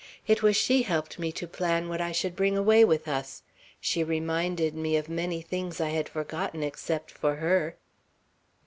It was she helped me to plan what I should bring away with us. She reminded me of many things I had forgotten, except for her."